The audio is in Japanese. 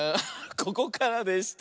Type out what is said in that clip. ここからでした。